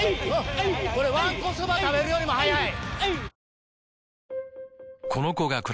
これわんこそば食べるよりも速い。